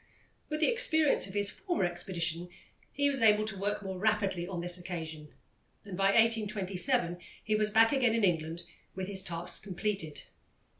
With the experience of his former expedition, he was able to work more rapidly on this occasion, and by 1827 he was back again in England with his task completed.